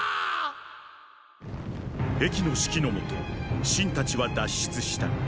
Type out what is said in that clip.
壁の指揮のもと信たちは脱出した。